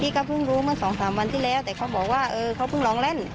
พี่ก็เพิ่งรู้เมื่อ๒๓วันที่แล้วแต่เขาบอกว่าเขาเพิ่งลองเล่น